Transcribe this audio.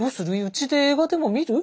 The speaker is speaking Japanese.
うちで映画でも見る？